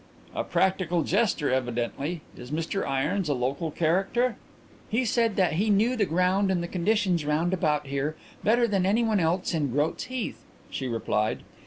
"A practical jester evidently. Is Mr Irons a local character?" "He said that he knew the ground and the conditions round about here better than anyone else in Groat's Heath," she replied.